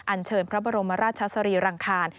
เชิญพระบรมราชสรีรังคาร